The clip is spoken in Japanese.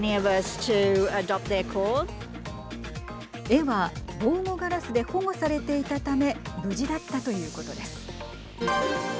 絵は防護ガラスで保護されていたため無事だったということです。